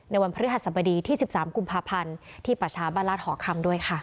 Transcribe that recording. วันพฤหัสบดีที่๑๓กุมภาพันธ์ที่ประชาบ้านราชหอคำด้วยค่ะ